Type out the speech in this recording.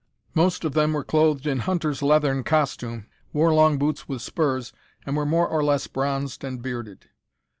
Most of them were clothed in hunters' leathern costume, wore long boots with spurs, and were more or less bronzed and bearded.